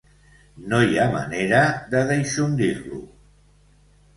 No hi ha manera de deixondir-lo.